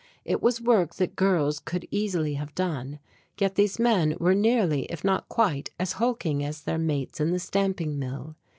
It was work that girls could easily have done, yet these men were nearly, if not quite, as hulking as their mates in the stamping mill.